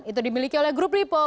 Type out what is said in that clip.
itu dimiliki oleh grup lipo